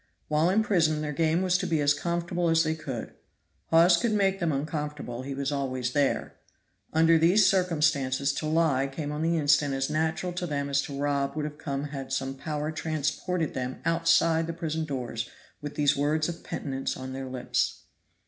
While in prison their game was to be as comfortable as they could. Hawes could make them uncomfortable; he was always there. Under these circumstances to lie came on the instant as natural to them as to rob would have come had some power transported them outside the prison doors with these words of penitence on their lips.